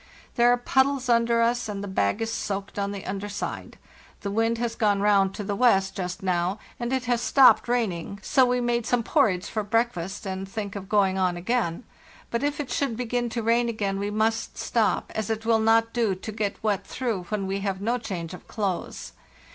There are puddles under us and the bag is soaked on the under side. The wind has gone round to the west just 324 LARTHEST NORTT now, and it has stopped raining, so we made some por ridge for breakfast and think of going on again; but if it should begin to rain again we must stop, as it will not do to get wet through when we have no change of clothes.